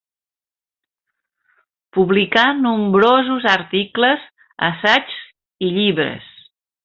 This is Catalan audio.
Publicà nombrosos articles, assaigs i llibres.